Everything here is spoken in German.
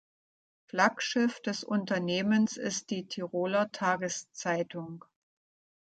Flaggschiff des Unternehmens ist die Tiroler Tageszeitung.